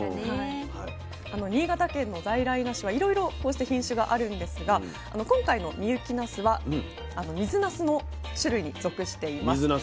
新潟県の在来なすはいろいろこうして品種があるんですが今回の深雪なすは水なすの種類に属しています。